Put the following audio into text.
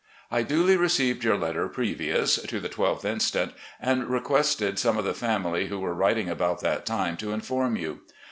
"I duly received your letter previous to the 12th inst., and requested some of the family who were writing about that time to inform you.